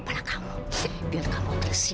apa lagi yang kamu tunggu